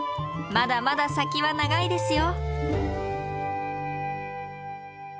まだまだ先は長いですよ。